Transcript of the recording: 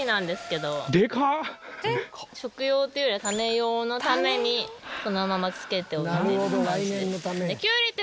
食用というよりは種用のためにこのままつけておいて伸ばしてる。